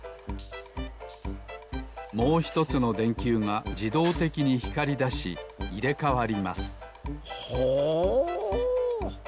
もうひとつのでんきゅうがじどうてきにひかりだしいれかわりますほお！